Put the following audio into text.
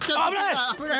危ない！